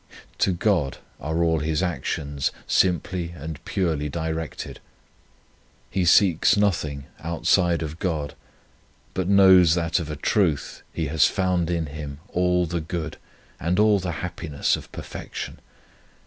To God are all his actions simply and purely directed. He seeks nothing outside of God, but knows that of a truth he has found in Him all the good and all the happiness of perfection.